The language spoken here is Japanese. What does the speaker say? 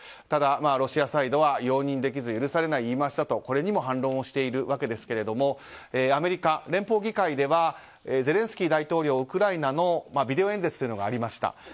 ただ、ロシアサイドは容認できず許されない言い回しだとこれにも反論をしているわけですがアメリカ、連邦議会ではゼレンスキー大統領ウクライナのビデオ演説というのがありました。